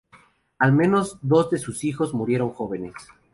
Al menos dos de sus hijos murieron jóvenes.